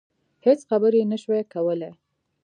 هېڅ خبرې يې نشوای کولای.